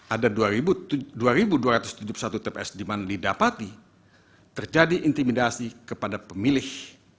ada dua dua ratus tujuh puluh satu tps di mana didapati terjadi intimidasi kepada pemilih